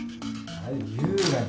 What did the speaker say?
はい優雅に。